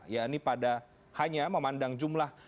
ya ini pada hanya memandang jumlah